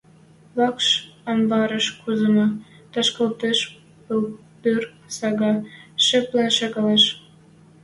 вӓкш амбарыш кузымы ташкалтыш пылдыр сага шӹп лин шагалеш.